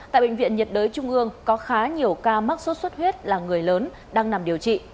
tại bệnh viện nhiệt đới trung ương có khá nhiều ca mắc sốt xuất huyết là người lớn đang nằm điều trị